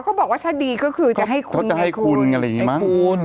เค้าบอกว่าถ้าดีก็คือจะให้คุณไงคุณ